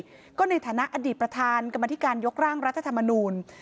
ให้ความเห็นได้นี่ก็ในฐานะอดีตประธานกรรมนิธิการยกร่างรัฐธรรมนูญ